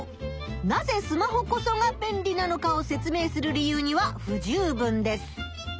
なぜスマホこそが便利なのかを説明する理由には不十分です。